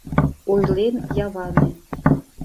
— ойлен яване.